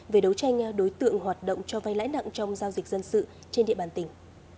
về đấu tranh đối tượng hoạt động cho vay lãi nặng trong giao dịch dân sự trên địa bàn tỉnh